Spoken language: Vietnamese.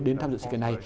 đến tham dự sự kiện này